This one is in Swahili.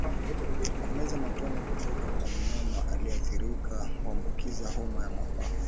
Kumeza matone kutoka kwa mnyama aliyeathirika huambukiza homa ya mapafu